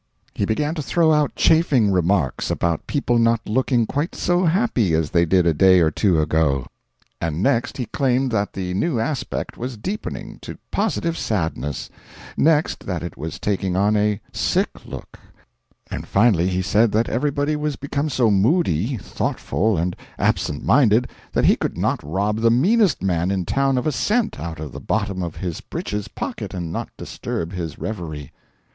He began to throw out chaffing remarks about people not looking quite so happy as they did a day or two ago; and next he claimed that the new aspect was deepening to positive sadness; next, that it was taking on a sick look; and finally he said that everybody was become so moody, thoughtful, and absent minded that he could rob the meanest man in town of a cent out of the bottom of his breeches pocket and not disturb his reverie.